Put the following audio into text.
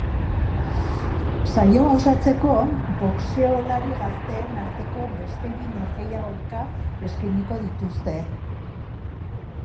Saioa osatzeko, boxeolari gazteen arteko beste bi norgehiagoka eskainiko dituzte.